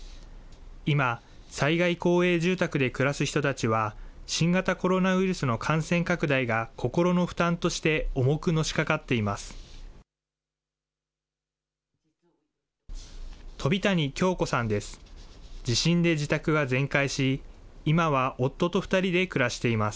今、災害公営住宅で暮らす人たちは、新型コロナウイルスの感染拡大が心の負担として重くのしかかっています。